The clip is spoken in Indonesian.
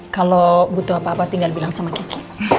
kalau butuh apa apa tinggal bilang sama kiki